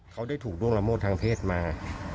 เขาได้ถูกล่วงละเมิดทางเพศมา